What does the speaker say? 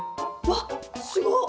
わっすごっ！